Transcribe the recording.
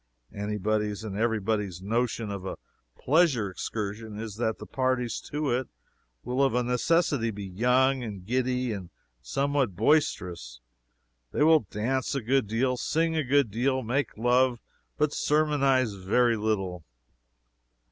Any body's and every body's notion of a pleasure excursion is that the parties to it will of a necessity be young and giddy and somewhat boisterous. They will dance a good deal, sing a good deal, make love, but sermonize very little.